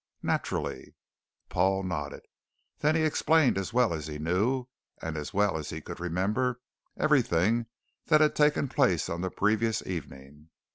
"Naturally." Paul nodded. Then he explained as well as he knew, and as well as he could remember, everything that had taken place on the previous evening.